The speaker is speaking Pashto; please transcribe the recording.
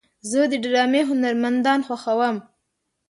زه د ډرامې هنرمندان خوښوم.